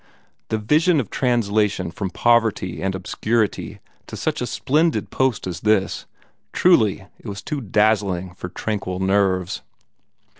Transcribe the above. The vision of translation from poverty and obscurity to such a splendid post as this truly it was too dazzling for tranquil nerves.